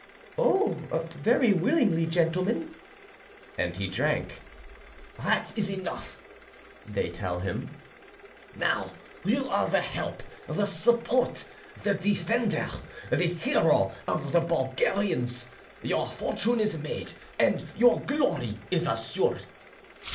"Oh! very willingly, gentlemen," and he drank. "That is enough," they tell him. "Now you are the help, the support, the defender, the hero of the Bulgarians. Your fortune is made, and your glory is assured."